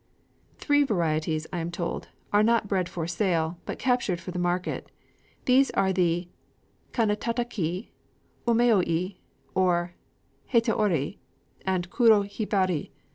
Three varieties, I am told, are not bred for sale, but captured for the market: these are the kanétataki, umaoi or hataori, and kuro hibari.